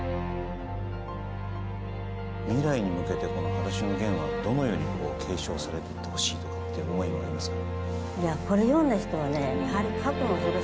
未来に向けて「はだしのゲン」がどのように継承されていってほしいという思いがありますか。